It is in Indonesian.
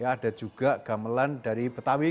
ada juga gamelan dari betawi